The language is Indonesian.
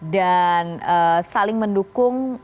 dan saling mendukung